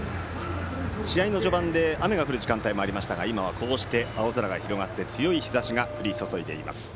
試合の序盤雨が降る時間帯もありましたが今は青空が広がって強い日ざしが降り注いでいます。